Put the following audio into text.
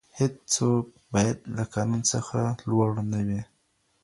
هیڅوک باید له قانون څخه لوړ نه وي.